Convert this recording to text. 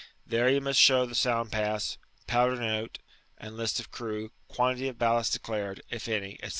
There he must show the»ound pass, powder note, and list of crew,^ (]^uantity of ballast declared, if anv, &c.